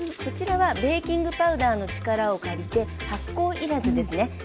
こちらはベーキングパウダーの力を借りて発酵いらずですね。